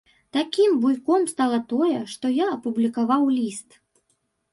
Такім буйком стала тое, што я апублікаваў ліст.